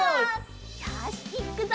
よしいっくぞ！